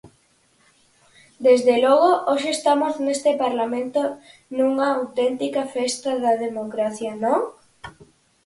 Desde logo, hoxe estamos neste Parlamento nunha auténtica festa da democracia, ¿non?